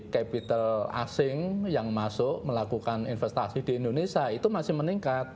capital asing yang masuk melakukan investasi di indonesia itu masih meningkat